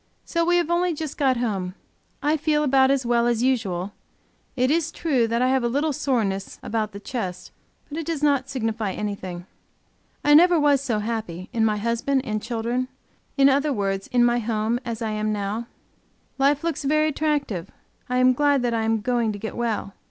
So we have only just got home. I feel about as well as usual; it is true I have a little soreness a bout the chest, but it does not signify anything. I never was so happy, in my husband and children, in other words in my home, as I am now. Life looks very attractive. I am glad that I am going to get well.